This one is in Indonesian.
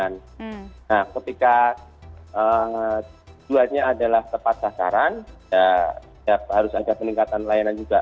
nah ketika tujuannya adalah tepat sasaran ya harus ada peningkatan layanan juga